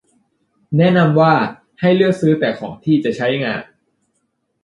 แนะนำว่า ให้เลือกซื้อแต่ของที่จะใช้งาน